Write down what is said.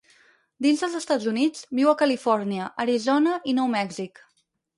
Dins dels Estats Units, viu a Califòrnia, Arizona i Nou Mèxic.